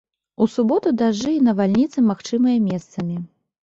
У суботу дажджы і навальніцы магчымыя месцамі.